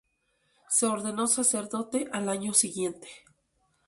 Se ordenó sacerdote al año siguiente.